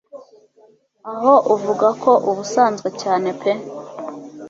aho uvuga ko ubusanzwe cyane pe